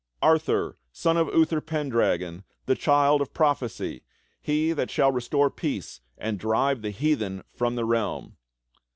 Arthur, son of Uther Pendragon, the Child of Prophecy, he that shall restore peace and drive the heathen from the realm!"